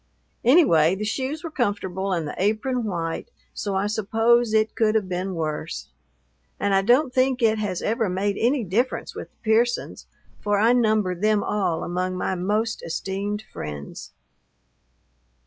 Anyway the shoes were comfortable and the apron white, so I suppose it could have been worse; and I don't think it has ever made any difference with the Pearsons, for I number them all among my most esteemed friends.